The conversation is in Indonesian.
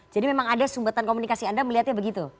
jadi memang ada sumbatan komunikasi anda melihatnya begitu